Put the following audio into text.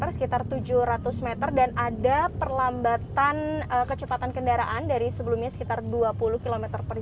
sekitar tujuh ratus meter dan ada perlambatan kecepatan kendaraan dari sebelumnya sekitar dua puluh km per jam